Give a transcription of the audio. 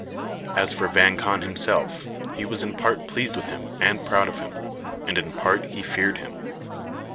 As for Vang Khan himself, he was in part pleased with him and proud of him, and in part he feared him.